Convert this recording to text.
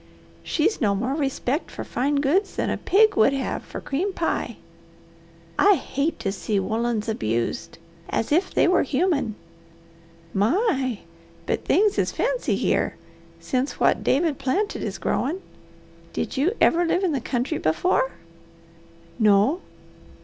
She's no more respect for fine goods than a pig would have for cream pie. I hate to see woollens abused, as if they were human. My, but things is fancy here since what David planted is growin'! Did you ever live in the country before?" "No."